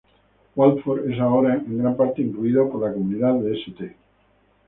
Waldorf es ahora en gran parte incluido por la comunidad de St.